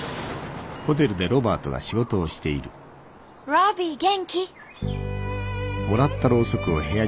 「ロビー元気？」。